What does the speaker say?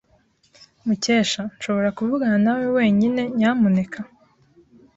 Mukesha, nshobora kuvugana nawe wenyine, nyamuneka?